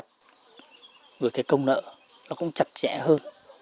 thì siết chặt với cái công nợ nó cũng chặt chẽ hơn